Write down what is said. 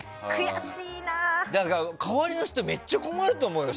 だから代わりの人めっちゃ困ると思うよ。